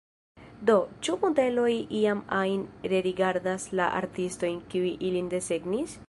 Do, ĉu modeloj iam ajn rerigardas la artistojn, kiuj ilin desegnis?